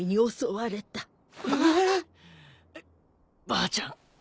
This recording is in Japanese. ばあちゃん